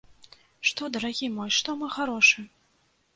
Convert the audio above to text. Што, дарагі мой, што, мой харошы?